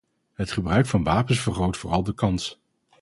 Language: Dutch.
Het gebruik van wapens vergroot vooral de kans.